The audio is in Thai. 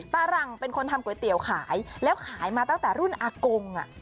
หลังเป็นคนทำก๋วยเตี๋ยวขายแล้วขายมาตั้งแต่รุ่นอากง